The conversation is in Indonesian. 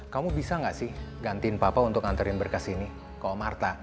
kamu bisa nggak sih gantiin papa untuk nganterin berkas ini ke omarta